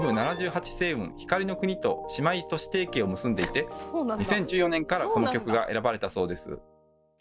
星雲光の国」と姉妹都市提携を結んでいて２０１４年からこの曲が選ばれたそうです。